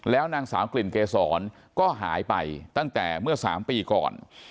แล้วนางสาวกลิ่นเกษรก็หายไปตั้งแต่เมื่อ๓ปีก่อน